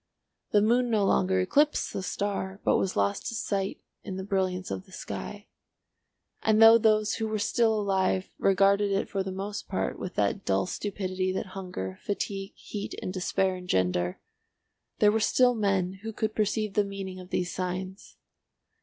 The moon no longer eclipsed the star but was lost to sight in the brilliance of the sky. And though those who were still alive regarded it for the most part with that dull stupidity that hunger, fatigue, heat and despair engender, there were still men who could perceive the meaning of these signs.